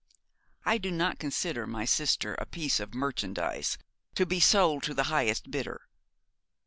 'I do not consider my sister a piece of merchandise to be sold to the highest bidder.